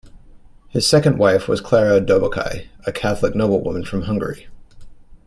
His second wife was Clara Dobokai, a Catholic noblewoman from Hungary.